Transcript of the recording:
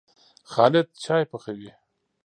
خالد چايي پخوي.